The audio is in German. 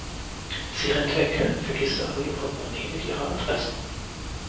Sie rennt weg, vergisst aber ihr Portemonnaie mit ihrer Adresse.